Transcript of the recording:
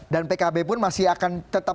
dan pkb pun masih akan tetap